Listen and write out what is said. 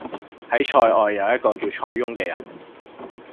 喺塞外有一個叫塞翁嘅人